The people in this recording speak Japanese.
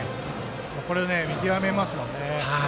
これを見極めますよね。